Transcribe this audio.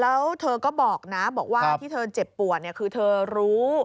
แล้วเธอก็บอกนะบอกว่าที่เธอเจ็บปวดคือเธอรู้